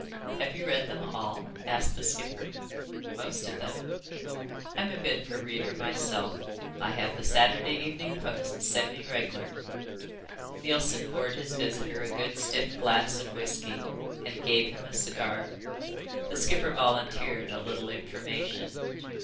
"Have you read them all?" asked the skipper. "Most of them." "I'm a bit of a reader myself. I have the Saturday Evening Post sent me regler." Neilson poured his visitor a good stiff glass of whisky and gave him a cigar. The skipper volunteered a little information.